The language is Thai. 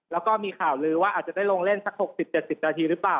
แล้วก็มีข่าวลือว่าอาจจะได้ลงเล่นสัก๖๐๗๐นาทีหรือเปล่า